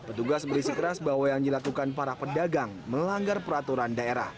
petugas berisi keras bahwa yang dilakukan para pedagang melanggar peraturan daerah